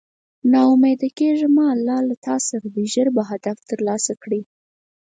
نا اميده کيږه مه الله له تاسره ده ژر به هدف تر لاسه کړی